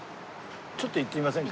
ちょっと行ってみませんか？